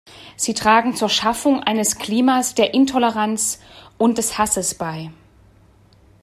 Sie tragen zur Schaffung eines Klimas der Intoleranz und des Hasses bei.